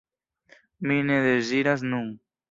Mi ne deziras nun.